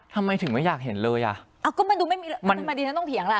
ทำไมถึงไม่อยากเห็นเลยอ่ะอ้าวก็มันดูไม่มีฉันต้องเถียงล่ะ